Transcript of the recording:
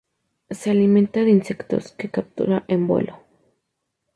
Se alimenta de insectos que captura en vuelo.